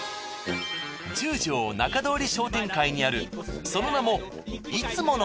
十条仲通り商店会にあるその名も。